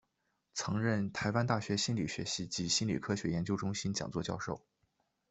曾任台湾大学心理学系及心理科学研究中心讲座教授。